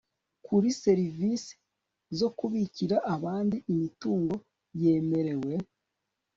kuri serivisi zo kubikira abandi imitungo yemerewe